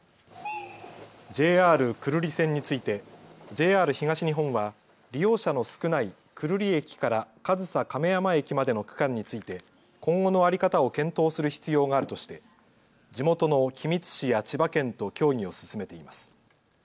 ＪＲ久留里線についてＪＲ東日本は利用者の少ない久留里駅から上総亀山駅までの区間について今後の在り方を検討する必要があるとして地元の君津市や千葉県と協議を進めています。